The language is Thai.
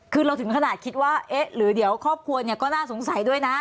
คือเราถึงขนาดคิดว่าเอ๊ะหรือเดี๋ยวครอบครัวเนี่ยก็น่าสงสัยด้วยนะ